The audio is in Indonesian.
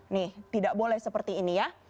nih tidak boleh seperti ini ya